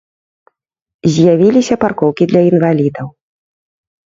З'явіліся паркоўкі для інвалідаў.